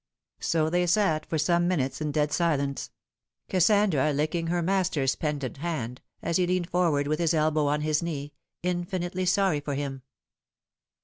So they sat for some minutes in dead silence, Kas Bandra licking her master's pendant hand, as he leaned forward with his elbow on his knee, infinitely sorry for him.